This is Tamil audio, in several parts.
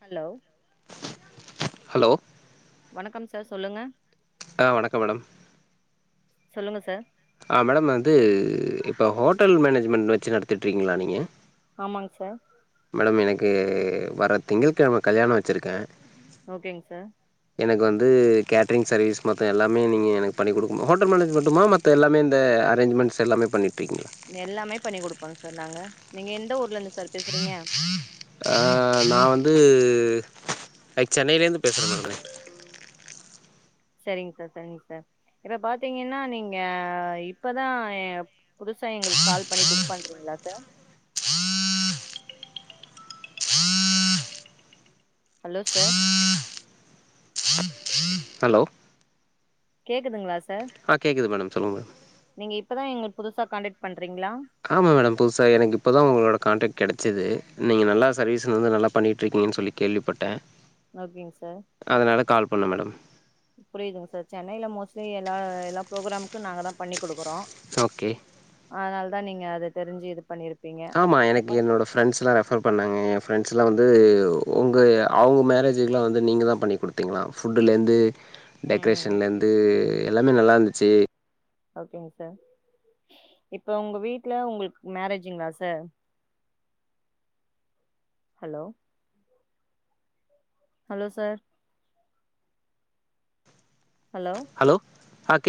ஹலோ ஹலோ வணக்கம் சர் சொல்லுங்க ஆ வணக்கம் மேடம் சொல்லுங்க சர் ஆ மேடம் வந்து இப்ப ஹோட்டல் மேனேஜ்மெண்ட் வச்சு நடத்திட்ருக்கீங்ளா நீங ஆமாங் சர் மேடம் எனக்கு வர திங்கள் கெழம கல்யாணோ வச்சிருக்கன் ஓகேங் சர் எனக்கு வந்து கேட்ரிங் சர்வீஸ் மத்த எல்லாமே நீங்கள் எனக்கு பண்ணி குடுக்குனும் ஹோட்டல் மேனேஜ் மட்டுமா மத்த எல்லாமே இந்த அரேஞ்மண்ட்ஸ் எல்லாமே பண்ணி எல்லாமே பண்ணி குடுப்போங்க சார் நாங்க நீங்க எந்த ஊர்ல இருந்து சார் பேசுறீங்க ஆ நான் வந்து லைக் சென்னையிலேருந்து பேசுறேன் மேடம் நானு சரிங்க சார் சரிங்க சார் இப்ப பாத்தீங்கன்னா நீங்க இப்பதா ஏ புதுசா எங்களுக்கு கால் பண்ணி புக் பண்றீங்களா சார் ஹலோ சார் ஹலோ கேக்குதுங்களா ஸ் ஆ கேக்குது மேடம் சொல்லுங்க நீங்க இப்பதா எங்களுக்கு புதுசா கான்டக்ட் பண் ஆமா மேடம் புதுசா எனக்கு இப்பதா உங்களோட கான்டக்ட் கெடச்சது நீங்க நல்லா சர்வீஸ்லருந்து நல்லா பண்ணிகிட்டு இருக்கீங்கன்னு சொல்லி கேள்விப்பட்டே ஓகேங்க சார் அதனால கால் பண்ணே மேடம் புரியிதுங்க சார் சென்னையில மோஸ்ட்லி எல்லா எல்லா ப்ரோக்ராம்க்கு நாங்கதா பண்ணி குடுக்குறோ ஓகே அதா நீங்க அது தெரிஞ்சி இது பண்ணிரு ஆமா எனக்கு என்னோட ஃப்ரெண்ட்ஸ் எல்லா ரெஃபர் பண்ணாங்க ஃப்ரெண்ட்ஸ் எல்லா வந்து உங்க அவுங்க மேரேஜுக்கலா வந்து நீங்கதா பண்ணி் குடுத்தீங்களா ஃபுட்டுல இருந்து ம் டெக்கரேஷன்ல இருந்து எல் லாமே நல்லா இருந்துச்சி ஓகேங்க சார் இப்ப உங்க வீட்ல உங்களுக்கு மேரேஜங்களா sir hello hello sir hello அ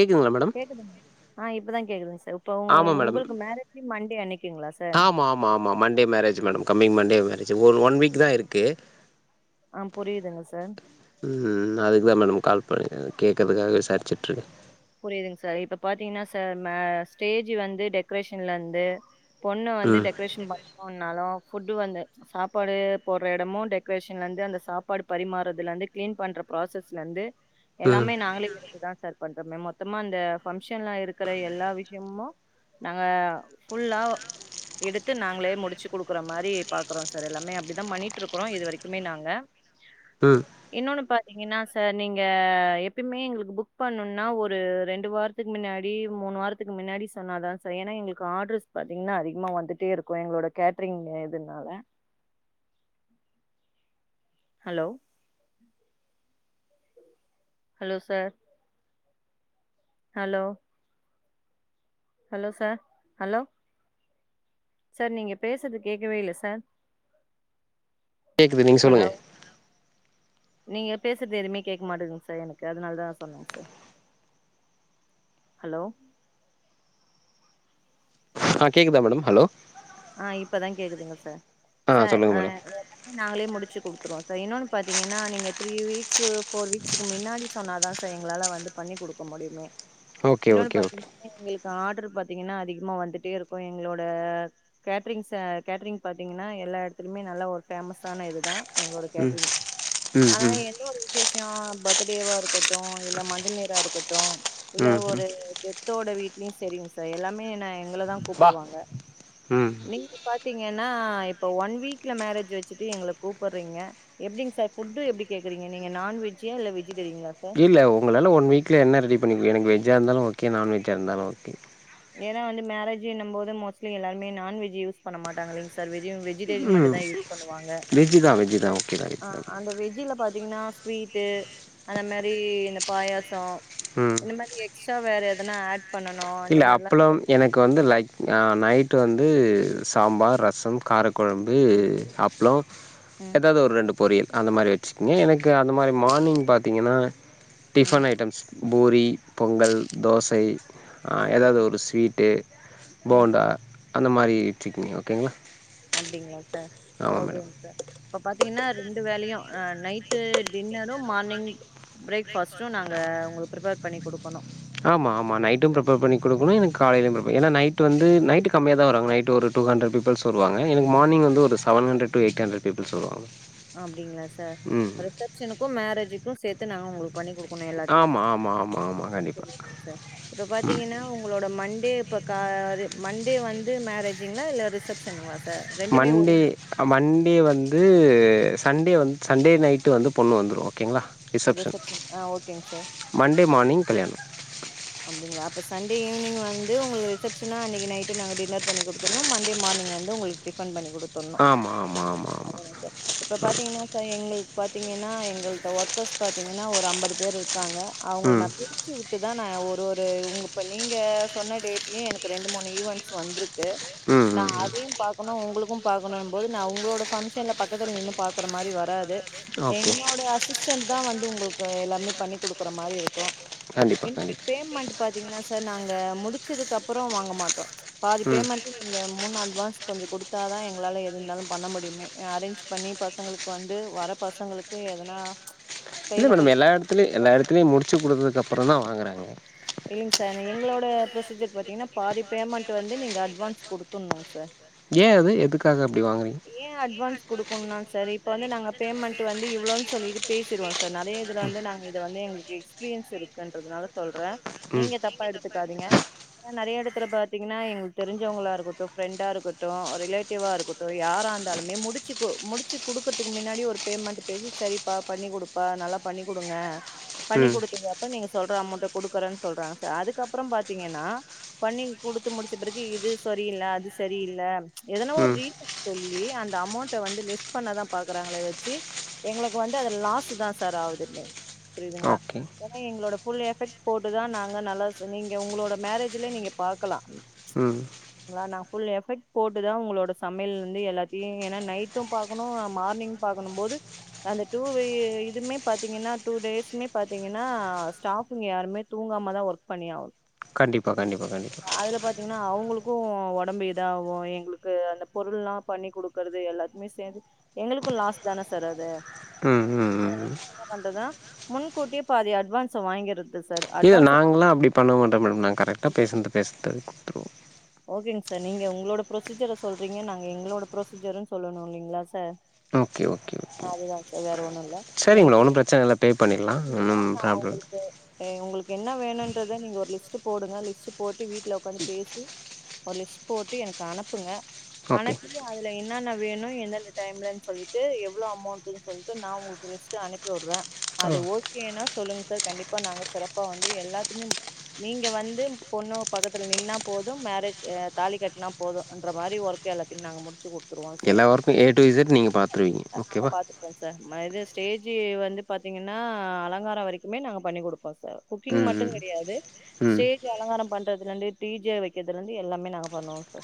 கேக்குதுங்க ஆ இப்பதா கேக்குதுங் ஆமா மேடம் அன்னைக்குங்களா சார் ஆமா ஆமா ஆமா Monday marriage madam coming Monday marriage ஒரு ஒன் வீக் தா இருக்கு ஆ புரிதுங்க சார் தா மேடம் கால் பண்ணே கேக்கறதுக்காக விசாரிச்சுட்ருக்கே புரிதுங் சார் இப்ப பாத்தீங்கன்னா சார் மே ஸ்டேஜு வந்து டெக்கரேஷன்லந்து பொண்ணு வந்து ம் டெக்கரேஷன் பண்ணுனாலு ஃபுட்டு வந்து சாப்பாடு போட்ற எடமு டெக்கரேஷன்லந்து அந்த சாப்பாடு பரிமாறதுலருந்து கிளீன் பண்ற ப்ராசஸ்லந்து ம் எல்லாமே நாங்களு இங்க இருந்து தா சார் பண் அப்றமே மொத்தமா இந்த ஃபங்க்ஷன்ல இருக்கற எல்லா விஷயமு நாங்க ஃபுல்லா எடுத்து நாங்களே முடிச்சி குடுக்குற மாரி பாக்றோ சார் எல்லாமே அப்டி தா பண்ணிட்ருக்குறோ இது வரைக்குமே நாங்க ம் இன்னொன்னுப நீங்க என்னா சார் நீங்க எப்பேமே எங்களுக்கு புக் பண்ணனு ன்னா ஒரு ரெண்டு வாரத்துக்கு முன்னாடி மூணு வாரத்துக்கு முன்னாடி சொன்னாதான் செரி ஏன்னா எங்களுக்கு ஆர்டர்ஸ் பாத்தீங்கன்னா அதிகமா வந்துட்டே இருக்கும் எங்களோட கேடரிங் இதுனால hello hello sir hello hello sir hello sir நீங்க பேசற்து கேக்கவே இல்ல சார் கேக்குது நீங்க ஹலோ சொல்லுங்க நீங்க பேசற்து எதுமே கேக்க மாட்டுதுங்க சார் எனக்கு அத்னாலதா சொன்னங்க சார் ஹலோ ஆ கேக்குதா மேடம் ஹலோ ஆ இப்பதா கேக்குதுங்க சார் ஆ சார் சொல்லுங்க அ மேடம். எல்லாமே நாங்களே முடிச்சு குடு த்துருவோ சார் இன்னொன்னு பாத்தீங்கன்னா நீங்க த்ரீ வீக்ஸு போர் வீக்ஸுக்கு மின்னாடி சொன்னாதா சார் எங்களால வந்து பண்ணி குடுக்க முடியுமே ஓகே இன்னொன்னு ஓகே ஓகே பாத்தீங் எங்களுக் ஆட்ரு பாத்தீங்கன்னா அதிகமா வந்துட்டேருக்கு எங்களோட கேட்ரிங்ஸ் கேட்ரிங் பாத்தீங்கன்னா எல்லா எடத்துலயுமே நல்லா ஒரு ஃபேமஸான இதுதா எங்களோட ம் கேட்ரீங் ம் ஆனா ம் எந்த ஒரு விசேஷோ பிரத் டே வா இருக்கட் டு இல்ல மஞ்சள் நீராருக்க டு இல்ல ம் ம். ஒரு டெத்தோட வீட் ம் செரிங்க சார் எல்லாமே நா எங்களதா வா கூப்டுவாங்க ம் நீங்க பாத்தீ தீங்கென்னா இப்ப ஒன் வீக்ல மேரேஜூ வச்சுட்டு எங்கள கூப்பறீங்க எப்டிங் சார் ஃபுட்டு எப்டி கேக்குறீங்க நீங்க நான் வெஜ்ஜி இல்ல வெஜ் இல்ல உங்களால ஒன் வீக்ல என்ன ரெடி பண்ணி எனக் வெஜ் வெஜ்ஜா இருந்தாலு ஓகோ நான் வெஜ்ஜா இருந்தாலு ஓகே ஏன்னா வந்து மேரேஜூ இனும்போது மோஸ்ட்லி எல்லாருமே நான் வெஜ்ஜூ யூஸ் பண்ண மாட்டாங்கல்லைங்க சார் வெஜூ வெஜ்ஜூ வெஜ்டேரியன் மட்டு ம் தா யூஸ் பண்ணுவாங்க வெஜ்ஜு தா வெஜ்ஜு தா ஓகே தா அ வெஜ் தா அந்த வெஜ்ஜில பாத்தீங்னா ஸ்வீட்டு அந்த மாரி இந்த பாயாசோ ம் இந்த மாரி எக்ஸ்ட்ரா வேற எதனா ஆட் பண்ணனு அந்த இல்ல மார் அப்பளம் எனக்கு வந் லைக் அ நைட்டு வந்து சாம்பார் ரசம் காரக்கொழம்பு அப்ளோ ம் எதாவது ஒரு ரெண்டு பொரியல் அந்த மாரி வச்சுக்ங்க எனக்கு அந்த மாரி மார்னிங் பாத்தீங்கன்னா ம் டிஃபன் ஐட்டம்ஸ் பூரி பொங்கல் தோசை அ எதாது ஓகே ஒரு ஸ்வீட்டு ம் போண்டா அந்த மாரி வெச்சுக்கிங்க ஓகேங்ளா அப்படிங்ளா சார் ஓகேங் சார் இப்ப பாத்தீங்கன்னா ரெண்டு வேலயு night dinner morning breakfast நாங்க உங்களுக் பிரிப்பர் பண்ணி குடுக்கணு ஆமா ஆமா நைட்டு ப்ரிப்பேர் பண்ணி குடுக்கணு எனக்கு காலேலையு பிர்ப்பர் ஏன்னா நைட்டு வந்து நைட்டு கம்மியாத தா வராங்க நைட்டு ஒரு டூஹன்றடு பீப்பில்ஸ் வருவாங்க எனக்கு மார்னிங் வந்து ஒரு seven hundred to eight hundred peoples வருவாங்க அப்டிங்களா சார் ம். ரிசப்ஷனுக்கு மேரேஜு க்கு சேத்து நா உங்குளுக் பண்ணி குடுக்கணு எல்லாத்தயு ஆமா, ஆமா, ஆமா, ஆமா. கண்டிப்பா. புரியலங்சார் இப்ப ம். பாத்தீங்கன்னா உங்களோட மண் டே இப்ப கா ரு மண்டே வந்து மேரேஜுங்களா இல்ல ரிசப்ஷனுங்களா சா மண்டே மண்டே வந்து சண்டே வந்து சண்டே நைட்டு வந்து பொண்ணு வந்துரு ஓகேங்ளா ரிசப்ஷன் ஆ ஓகேங்க மண்டே மார்னிங் கல்யாணம் அப்பிடிங்களா அப்ப சண்டே ஈவினிங் வந்து உங்குளுக்கு ரிசப்ஷனு அன்னைக்கு நைட்டு நாங்க டின்னர் பண்ணி குடுக்கணு மண்டே மார்னிங் வந்து உங்களுக்கு டிஃபன் பண்ணி குடு த்தர்னு ஆமா, ஆமா, ஆமா, ஆமா. அதானே சார் இப்ப பாத்தீங்கன்னா சார் எங்களு பாத்தீங்கன்னா எங்கள்ட்ட ஒர்க்கர்ஸ் பாத்தீங்கன்னா ஒரு அம்பது பேர் இருக் காங்க அவங்கள ம். நா பிரிச்சு வுட்டு [unintelligible] ஒரு உங்க இப்போ நீங்க சொன்ன டேட்லயையு எனக்கு ரெண்டு மூணு ஈவென்ட்ஸ் வந்துருக்கு ம், நா ம், ம். அதையு பாக்கணு உங்குளுக்கு பாக்கணுன் போது நா உங்களோட ஃபங்ஷன்ல பக்கத்தில நின்னு பாக்கற மாரி வராது ஓகே. என்னோட அஸ் அசிஸ்டன்ட் தா வந்து உங்குளுக்கு எல்லாமே பண்ணி குடுக்குற மாரி இருக்கு கண்டிப்பா இன்னொரு கண்டி பேமெண்ட் பாத்தீங்கன்னா சார் நாங்க முடிச்சதுக்கு அப்புற வாங்க மாட்டோ ப்ச் பாதி ம். பேமெண்ட் நீங்க முன்ன அட்வான்ஸ் கொஞ்ச குடுத்தாதா எங்களால எதுன்னாலு பண்ண முடியுமே அரேஞ்ச் பண்ணி பசங்களுக்கு வந்து வர பசங்களுக்கு எதனா ப்ச் இல்ல மேடம் எல்லா எடத்துலயு எல்லா எடத்துலயு முடிச்சு குடுத்ததுக்கு அப் புறந்தா வாங்கறாங்க இல்லங் சார் எங்களோட ப்ரொசீஜர் பாத்தீங்ன்னா பாதி பேமெண்ட் வந்து நீங்க அட்வான்ஸ் குடுத்துர்ணுங் சார் ஏ அது எதுக்காக அப் ஏ அட்வான்ஸ் குடுக்கணுனா சார் இப் ப்ப வந்து நாங்க பேமெண்ட் வந்து இவ்ளோன்னு சொல்லிட்டு பேசிடுவோ சார் சார் நெறைய இதுல வந்து நாங்க இத வந்து எங்ளுக் எக்ஸ் பீரியன்ஸ் இருக்கன்றதுனால சொல்றே ம் நீங்க தப்பா எடுத்துக்காதீங்க ஏ நெறைய எட திர பாத்தீங்கனா எங்ளுக்கு தெரிஞ்சவங்களா இருக்கட்டோ ஃப்ரெண்டா இருக்கட்டோ அ ரிலேட்டிவா இருக் தோ யாராந்தாலுமே முடிச்சி போ முடிச்சு குடுக்கத்க்கு மின்னாடி ஒரு பேமெண்ட் பேசி சரிப்பா பண்ணி குடுப்பா நல்லா பண்ணி குடுங்க பண்ணி ம் குடுத்துக்கப்ப நீங்க சொல்ற அமௌன்ட குடுக்கறன்னு சொல்றாங்க சார் அதுக்கப்பறோ பாத்தீங்கனா பண்ணி குடுத்து முடிச்ச பிறகு இது சொரியில்ல அது சரியில்ல ச்ச எதனா ஒரு ம் ரீ சொல்லி அந்த அமௌன்ட வந்து லெஸ் பண்ணதா பாக்குறாங்களே வெச்சு எங்குளுக்கு வந்து அது லாஸுதா சார் ஆவுது எப்மே புரிதுங்ளா ஓகே ஏனா எங்ளோட ஃபுல் எஃபெக்ட் போட்டுதா நாங்க நல்லா செ நீங்க உங்குளோட மேரேஜிலே நீங்க பாக்கலா உம் வெ நா ஃபுல் எஃபெக்ட் போட்டுதா உங்குளோட சம்யல் வந்து எல்லாத்தியு ஏனா நைட்டும் பாக்குணு ஆ மார்னிங் பாக்கணும் போது அந்த டூ வே இதுமே பாத்தீங்கனா டூ டேஸ்மே பாத்தீங்கனா ஸ்டாஃப்புங்க யாருமே தூங்காமதா ஒர்க் பண்ணி ஆவனு கண்டிப்பா கண்டிப்பா கண்டிப்பா கூ ஒடம்பு இதாவு எங்ளுக்கு அந்த பொருள்லா பண்ணி குடுக்கறது எல்லாத்துக்மே சேந்து எங்களுக்கு லாஸ்தான சார் அது உம் அதனால உம் என்ன பண்றதுனா முன்கூட்டியே பாதி அட்வான்ச வாங்கீறது. இது நாங்கெல்லா அப்டி பண்ண மாட்டோ மேடம் நாங்க கரெக்ட்டா பேசின்து பேசு த்றபோ ஓகேங் சார் நீங்க உங்குளோட புரொசீஜர சொல்றீங்க. நாங்க எங்களோட புரொசீஜரூன் சொல்லணு இல்லிங்ளா சார் ஆ ஓகே ஓகே ஓ அதுதா சார் வேற ஒன்னு இல்ல செரிங்க நீங்க மேடோ பில் ஒன்னு பிரச்சன இல்ல பேப் பண்ணில்லா ஒன்னும் ப்ராப்ளம் இ என்னா வேணுன்றத நீங்க ஒரு லிஸ்ட்டு போடுங்க லிஸ்ட்டு போட்டு வீட்ல உக்காந்து பேசி ஒரு லிஸ்ட் போட்டு எனக்கு அனுப்புங்க ஓகே அனப்பி அதுல என் னானா வேணு எந்தெந்த டைம்லன் சொல்லிட்டு எவ்ளோ அமௌன்டுன்னு சொல்ட்டு நா உங்குளுக் லிஸ்ட் அனுப்பி உட்வே ஆ அது ஓகேனா சொல்லுங் சார் கண்டிப்பா நாங்க சிறப்பா வந்து எல்லாத்திமேம் நீங்க வந்து பொண்ணு பக்கத்துல நின்னா போதும் மே சு ஏ தாலி கட்னா போது அன்ற மாரி ஒர்க்க எல்லாத்திம் நாங்க முடிச்சு கு எல்லா ஒர்க்கு ஏ டூ இஜெட் நீங்க பாத்துர்வீங்க ஓகேவா மா இது ஸ்டேஜு வந்து பாத்தீங்கனா அலங்காரோ வரைக்குமே நாங்க பண்ணி குடுப்போ சார் குக்கிங் ம் மட்டோ ம் கெடையாது ம் ஸ்டேஜ் அலங்காரோ பண்றதுலந்து டி ஜே வக்க தலந்து எல்லாமே நாங்க பண்ணுவோ சா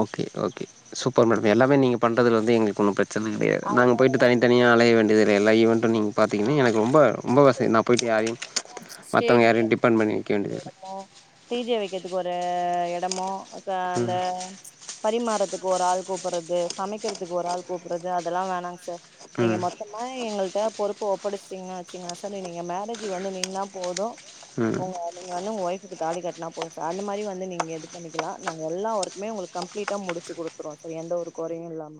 ஓகே ஓகே சூப்பர் மேடம் எல்லாமே நீங்க பண் டதுலந்தே எங்களுக்கு ஒன்னு பிரச் [unintelligible] நாங்க அதனால போயிட்டு தனித்தனியா அலய வேண்டிது எல்லா இவன் நீங்க பாத்தீங்கனா ஆமா எனக்கு ரொம்ப ரொம்ப வசதி. நா போயிட்டு யாரயு மத்தவங்க ஸ்டேஜு யாரயு டிபெண்ட் பண்ணி வைக்க வேண்டியதில்ல. டீஜே வைக்கறதுக்கு ஒரு எடமோ அ அந்த ம் ம்ச் பரிமாறதுக்கு ஒரு ஆள் கூப்படறது சமைக்கிறதுக்கு ஒரு ஆள் கூப்படறது அதெல்லா வேணாங் சார் நீங்க ம் மொத்தமா எங்கள்ட்ட பொரு ப்ப ஒப்படச்சிட்டீங்களாட வச்சீங்குங்க சார் நீங்க மேரேஜ் வந்து நின்னா போது அ ம் உங்க நீங்க வந்து உங்க ஒய்ஃபுக்கு தாலி கட்டினா போது சார். அந்த மாரி வந்து நீங்க இது பண்ணிக்கலா நாங்க எல்லா ஒர்க்குமே உங்களுக்கு கம்ப்ளீட்டா முடிச்சு குடுத்துருவோ சார் எந்த ஒரு கொறையு இல்லாம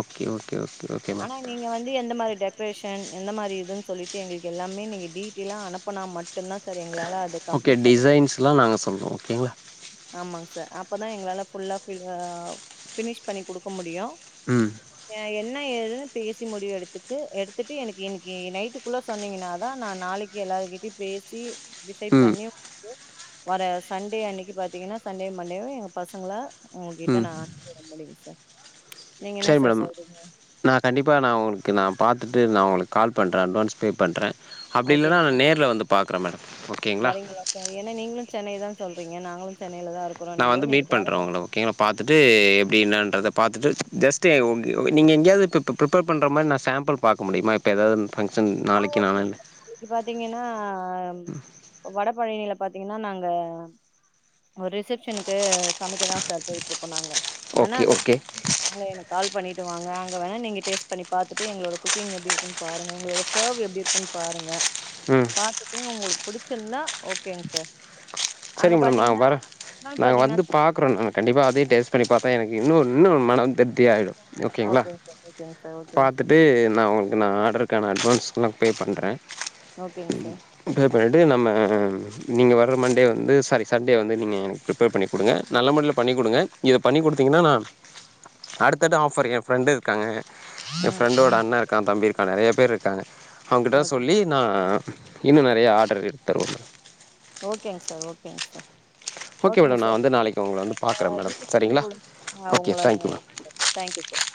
ஓகே ஓகே ஓகே ஓகே ஆனா மேம் நீங்க வந்து எந்த மாரி டெ பேஷன் என்ன மாரி இதுன்னு சொல்லிட்டு எங்களுக்கு எல்லாமே நீங்க டீட்டெய்லா அனுப்பனா மட்டும்தான் சார் எங்களால அத ஓகே கம்ப்ளீட் பண்ணி டிசைன்ஸ்லாம் நாங்க சொல்றோம் ஓகேங்களா ஆமாங் சார் அப்பதான் எங்களால ஃபுல்லா ஆ ஃபினிஷ் பண்ணி குடுக்க முடியும் ம் என்ன ஏதுன்னு பேசி முடிவெடுத்துட்டு எடுத்துட் எனக்கு இன்னிக்கு நைட்டுக்குள்ள சொன்னீங்கனாதான் நான் நாளைக்கு எல்லாரு கிட்டயும் பேசி டிசைட் ம் பண்ணி வர சண்டே அன்னிக்கு பாத்தீங்கன்னா சண்டே மண்டே எங்க பசங்கள உங்ககிட்ட ம் நான் அனுப்பிவிட முடியு சார் நீங்க என்ன சரி சார் மேம் சொல்றீங்க நா கண்டிப்பா நான் உங்களுக்கு நா பாத் வந்துட்டு நாஉனக்கு கால் பண்றேன் அட்வான்ஸ் பே பண்றேன் அப்பிடி ஓகேங்க இல்லன நா சார் நேர்ல வந்து பாக் வரே மேடம் ஓகேங்களா வரீங்களா சார் ஏன்னா நீங்களு சென்னை தான் சொல்றீங்க நாங்களும் சென் நா வந்து மீட் பண்ற ஒங்ள ஓகேங்ள பாத்துட்டு எப்டி இன்னான்றத பாத்துட்டு ஜஸ்ட்டு [unintelligible] நீங் எங்யாது பிப்பு ப்ரிப்பேர் பண்ற மாரி நா சேம்புள் பாக்க முடியுமா இப்ப எதாதுன் ஆ ஓகேங் சார் நாளக்கி பாத்தீங்கனா ஆ ம் வடபழனில பாத்தீங்கன்னா நாங்க ஒ ரிசப்ஷனுக்கு சமக்க தா சார் போயிட்ருக்கோ நாங்க வெனா ஓகே அந்த ஓகே [inaudible] கால் பண்ணிற் வாங்க அங்கவேனா நீங்க டேஸ்ட் பண்ணி பத்துட்டு எங்ளோட குக்கிங் எப்டி இருக்குன் பாருங்க எங்களோட சேர்வ் எப்டி இருக்குன் பாருங்க ம் பாத்துட்டு உங்ளுக் புடுச்சுர்ந்தா ஓகேங்சார் சரிங் மேடம் நா அங் வர நாங்க பாத்தீங்கன்னா வந்து பாக்குறோ நா கண்டிப்பா அதே டேஸ்ட் கடை பாத்தா எனக்கு இன்னு இன்னு மனம் திர்த்தி ஆயிடு யோக்கேங்ளா ஓகேங்க சார் ஓகேங்க சார் பாத்துட்டு நா ஒங்ளுக்கு நா ஆட்ரு க்கா நா அட்வான்ஸ்க்லா பே பண்ற ஓகேங்க சார் ஓகேங்க சார் பே பண்ணிட்டு நம்ம நீங்க வர்ரமன் டே வந்து சாரி சண்டே வந்து நீங்க எனக்கு ப்ரிப்பேர் பண்ணி குடுங்க நல்ல மடுல பண்ணி் குடுங்க இத பண்ணி குடுத்தீங்ன்னா நான் அடுத்தடு ஆஃபர் ஏ ஃப்ரெண்டு இருக்காங்க எ ம் ஃப்ரெண்டோட அண்ண கா தம்பி இருக்கா நெறய பேர் இர்க்காங்க அவங்கிட்ட ஓகே சொல்லி நா இன்னு நெறைய ஆர்டர் இது தரு ஓகேங் சார் ஓகேங் சார் ஓகே ஓகேங்க மேடம் நா சார் வந்து நாளைக்கு உங்கள வந்து பாக்குறே நீங்க மேடம் சரிங்களா [unintelligible] ஓகே உங்கள தேங்க்யூ நன் மேம் சார் தேங்க்யூ சார்